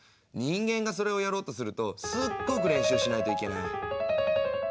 人間がそれをやろうとするとすっごく練習しないといけない。